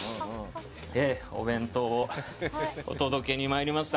お弁当をお届けに参りました。